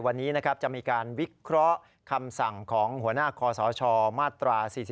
วันนี้นะครับจะมีการวิเคราะห์คำสั่งของหัวหน้าคอสชมาตรา๔๔